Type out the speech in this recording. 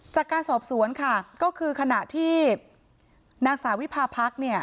จากการสอบสวนค่ะก็คือขณะที่นางสาววิพาพรรคเนี่ย